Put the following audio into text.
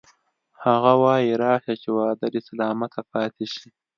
هغه وایی راشه چې وعده دې سلامته پاتې شي